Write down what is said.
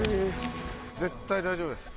絶対大丈夫です。